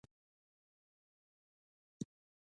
مګر ځوانان د شرط لپاره تیار شول.